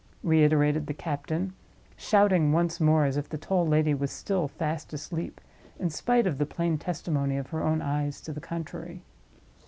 reiterated the captain, shouting once more as if the tall lady was still fast asleep, in spite of the plain testimony of her own eyes to the contrary.